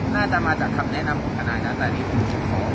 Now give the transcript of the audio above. น่าจะมาจากคำแนะนำของทนายนะแต่อันนี้ผมขอผมขอเครื่องไว้